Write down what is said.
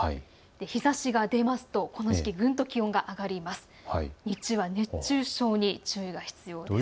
日ざしが出ますとこの時期、ぐんと気温が上がります。